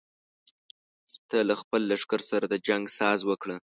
ته له خپل لښکر سره د جنګ ساز وکړه.